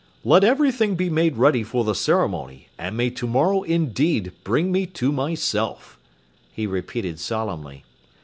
"Let everything be made ready for the ceremony, and may tomorrow indeed bring me to myself," he repeated solemnly.